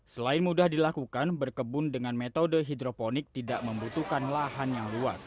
selain mudah dilakukan berkebun dengan metode hidroponik tidak membutuhkan lahan yang luas